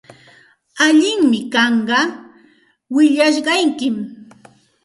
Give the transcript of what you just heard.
Allinmi kanqa willashqaykim.